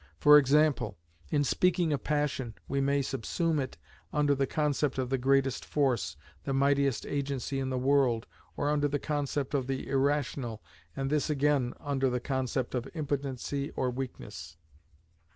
For example, in speaking of passion, we may subsume it under the concept of the greatest force, the mightiest agency in the world, or under the concept of the irrational, and this again under the concept of impotency or weakness.